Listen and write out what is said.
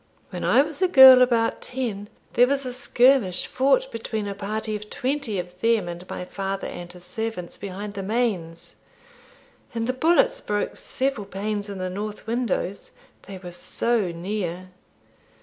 When I was a girl about ten, there was a skirmish fought between a party of twenty of them and my father and his servants behind the mains; and the bullets broke several panes in the north windows, they were so near.